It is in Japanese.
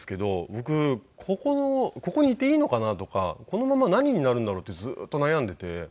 僕ここにいていいのかな？とかこのまま何になるんだろう？ってずっと悩んでいて。